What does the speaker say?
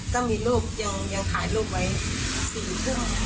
ก็มีรูปยังถ่ายรูปไว้๔๓๐น